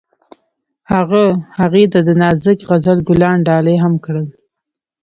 هغه هغې ته د نازک غزل ګلان ډالۍ هم کړل.